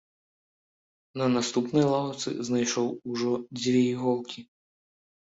На наступнай лаўцы знайшоў ужо дзве іголкі.